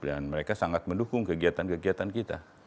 dan mereka sangat mendukung kegiatan kegiatan kita